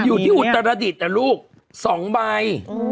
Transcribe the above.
อยู่ที่อุตราดิตอะลูก๒ใบ